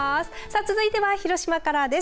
続いては広島からです。